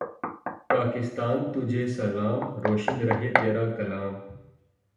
پاکستان تجھے سلام۔ روشن رہے تیرا کلام